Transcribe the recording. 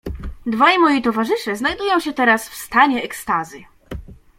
"Dwaj moi towarzysze znajdują się teraz w stanie ekstazy."